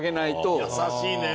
優しいね。